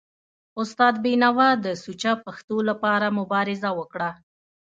استاد بینوا د سوچه پښتو لپاره مبارزه وکړه.